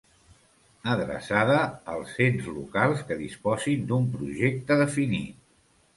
Adreçada als ens locals que disposin d'un projecte definit.